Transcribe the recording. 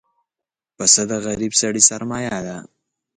پسه د غریب سړي سرمایه ده.